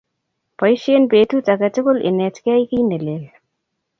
Poisyen petut ake tukul inetkei kiy ne lel